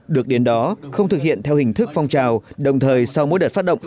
được đến đó không thực hiện theo hình thức phong trào đồng thời sau mỗi đợt phát động